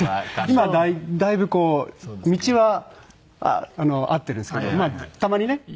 今だいぶこう道は合っているんですけどたまにね。